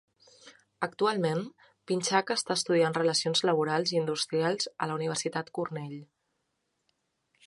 Actualment, Pinchak està estudiant Relacions Laborals i Industrials a la Universitat Cornell.